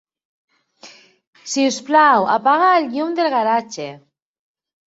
Si us plau, apaga el llum del garatge.